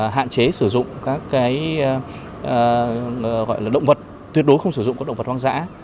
hạn chế sử dụng các động vật tuyệt đối không sử dụng các động vật hoang dã